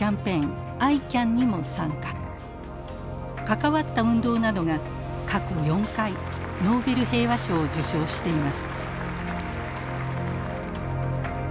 関わった運動などが過去４回ノーベル平和賞を受賞しています。